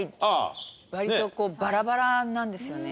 割とこうバラバラなんですよね